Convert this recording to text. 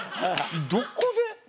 どこで。